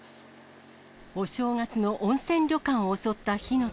お正月の温泉旅館を襲った火の手。